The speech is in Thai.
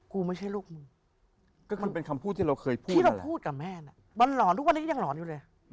กูไม่ใช่ลูกมึงที่เราพูดกับแม่น่ะมันหลอนทุกวันนี้ยังหลอนอยู่เลย